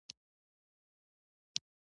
• د ماشومتوب خوبونو ته کښېنه.